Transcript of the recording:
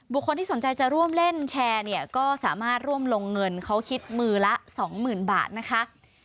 คนที่สนใจจะร่วมเล่นแชร์เนี่ยก็สามารถร่วมลงเงินเขาคิดมือละสองหมื่นบาทนะคะ